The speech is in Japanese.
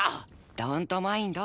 ドントマインド！